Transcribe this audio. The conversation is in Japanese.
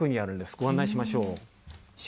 ご案内しましょう。